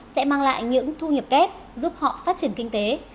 sẽ mang lại những thu nhập kép giúp họ phát triển kinh tế